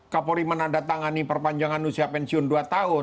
kapolri menandatangani perpanjangan usia pensiun dua tahun